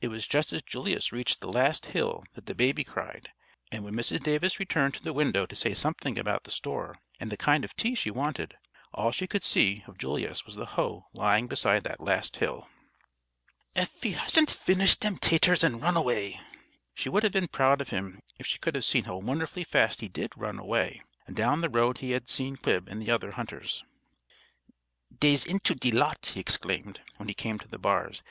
It was just as Julius reached the last hill that the baby cried, and when Mrs. Davis returned to the window to say something about the store and the kind of tea she wanted, all she could see of Julius was the hoe lying beside that last hill. "Ef he hasn't finished dem taters and run away!" She would have been proud of him if she could have seen how wonderfully fast he did run away, down the road he had seen Quib and the other hunters. "Dey's into de lot!" he exclaimed, when he came to the bars.